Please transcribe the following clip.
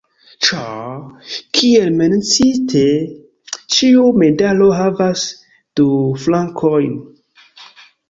Ĉar, kiel menciite, ĉiu medalo havas du flankojn.